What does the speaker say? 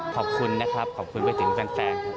ขอบคุณนะครับขอบคุณว่าสิ่งแสน